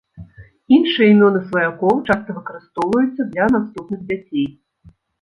Іншыя імёны сваякоў часта выкарыстоўваюцца для наступных дзяцей.